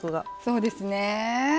そうですね。